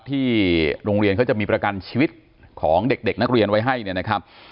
ที่โรงเรียนเขาจะมีประกันชีวิตของเด็กนักเรียนไว้ให้เนี่ยนะครับ